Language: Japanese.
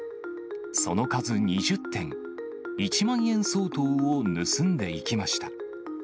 その数２０点、１万円相当を盗んでいきました。